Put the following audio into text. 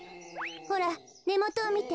ほらねもとをみて。